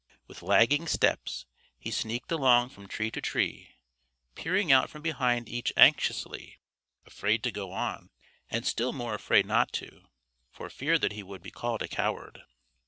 With lagging steps he sneaked along from tree to tree, peering out from behind each anxiously, afraid to go on, and still more afraid not to, for fear that he would be called a coward.